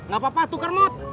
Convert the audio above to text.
gak apa apa tukar mut